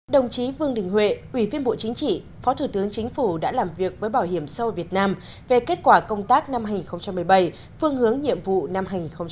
đồng chí vương đình huệ ủy viên bộ chính trị phó thủ tướng chính phủ đã làm việc với bảo hiểm xã hội việt nam về kết quả công tác năm hai nghìn một mươi bảy phương hướng nhiệm vụ năm hai nghìn một mươi chín